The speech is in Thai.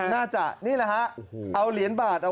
น่าจะนี่แหละฮะ